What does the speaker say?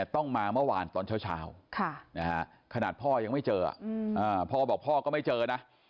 ต้องมาเมื่อวานตอนเช้าขนาดพ่อยังไม่เจอพ่อบอกพ่อก็ไม่เจอนะ